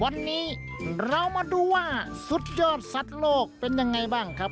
วันนี้เรามาดูว่าสุดยอดสัตว์โลกเป็นยังไงบ้างครับ